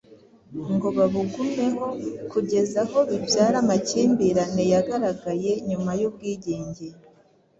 ngo babugumeho kugeza aho bibyara amakimbirane yagaragaye nyuma y'ubwigenge.